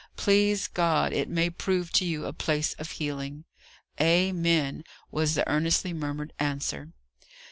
"Please God, it may prove to you a place of healing!" "Amen!" was the earnestly murmured answer.